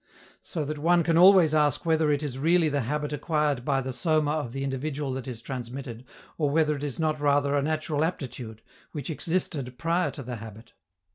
So that one can always ask whether it is really the habit acquired by the soma of the individual that is transmitted, or whether it is not rather a natural aptitude, which existed prior to the habit.